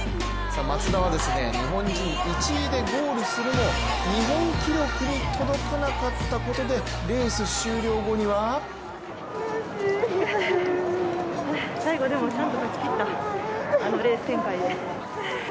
松田は日本人１位でゴールするも日本記録に届かなかったことでレース終了後には最後、でもちゃんと走りきった、あのレース展開で。